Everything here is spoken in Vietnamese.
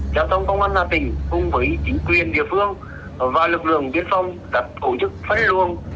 giao thông công an hà tĩnh cùng với chính quyền địa phương và lực lượng biên phong đặt cổ chức phát luông